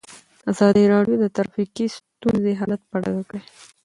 ازادي راډیو د ټرافیکي ستونزې حالت په ډاګه کړی.